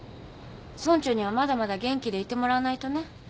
村長にはまだまだ元気でいてもらわないとね。